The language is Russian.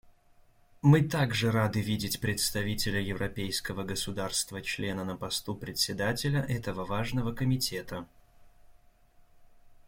Мы также рады видеть представителя европейского государства-члена на посту Председателя этого важного комитета.